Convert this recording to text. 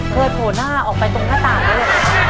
เจอหัวหน้าออกไปตรงข้างต่างเลย